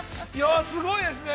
すごいですね。